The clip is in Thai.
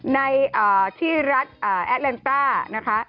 ในที่รัฐอัตลันตานะคะ